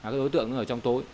các đối tượng ở trong tối